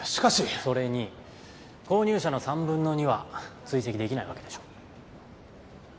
それに購入者の３分の２は追跡出来ないわけでしょ。